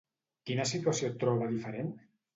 Quina situació troba diferent?